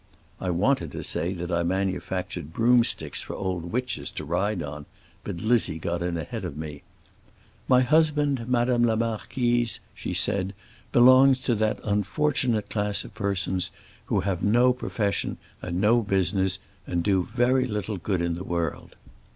I wanted to say that I manufactured broom sticks for old witches to ride on, but Lizzie got in ahead of me. 'My husband, Madame la Marquise,' she said, 'belongs to that unfortunate class of persons who have no profession and no business, and do very little good in the world.